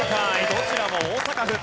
どちらも大阪府。